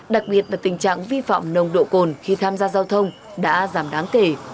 đặc biệt là tình trạng vi phạm nồng độ cồn khi tham gia giao thông đã giảm đáng kể